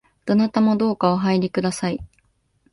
どなたもどうかお入りください